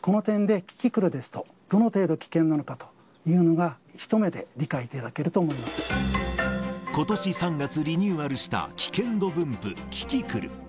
この点でキキクルですと、どの程度危険なのかというのが、一目でことし３月、リニューアルした危険度分布、キキクル。